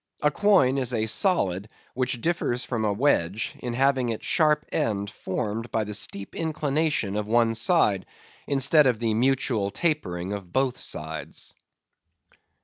A quoin is a solid which differs from a wedge in having its sharp end formed by the steep inclination of one side, instead of the mutual tapering of both sides.